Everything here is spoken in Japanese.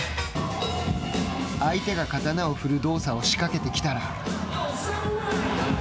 相手が刀を振る動作を仕掛けてきたら。